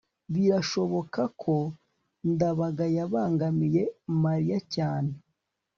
birashoboka ko ndabaga yabangamiye mariya cyane